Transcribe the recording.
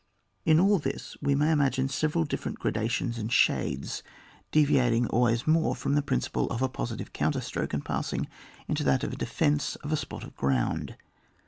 In all this we may imagine several different gradations and shades, deviating always more from the principle of a positive counterstroke, and passing into liiat of the defence of a spot of ground.